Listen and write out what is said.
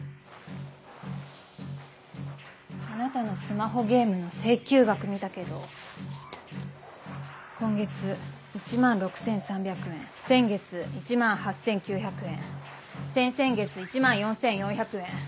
あなたのスマホゲームの請求額見たけど今月１万６３００円先月１万８９００円先々月１万４４００円。